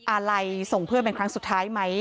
อะไรส่งเพื่อนเป็นครั้งสุดท้ายไหม